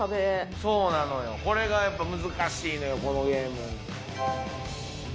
そうなのよ、これがやっぱり難しいのよ、このゲーム。